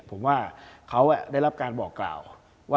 ผมว่าเขาได้รับการบอกกล่าวว่า